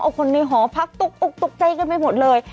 เอาคนในหอพักตุ๊กอุ๊กตุ๊กเจ๊กันไปหมดเลย